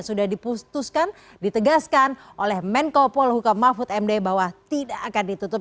sudah diputuskan ditegaskan oleh menko polhuka mahfud md bahwa tidak akan ditutup